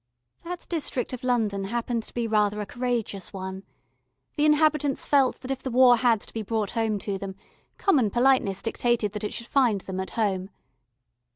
That district of London happened to be rather a courageous one. The inhabitants felt that if the War had to be brought home to them, common politeness dictated that it should find them at home.